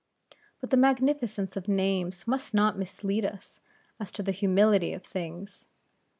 But the magnificence of names must not mislead us as to the humility of things.